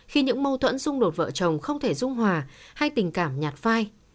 khi những mâu thuẫn dung đột vợ chồng không thể dung hòa hay tình cảm nhạt vai